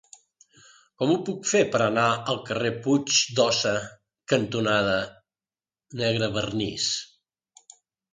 Com ho puc fer per anar al carrer Puig d'Óssa cantonada Negrevernís?